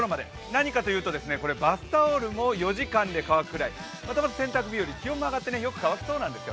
何かというとバスタオルも４時間で乾くくらいとても洗濯日和、気温も上がってよく乾きそうです。